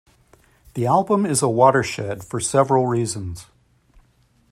The album is a watershed for several reasons.